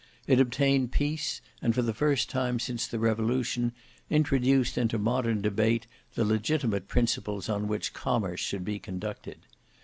It obtained peace, and for the first time since the Revolution introduced into modern debate the legitimate principles on which commerce should be conducted.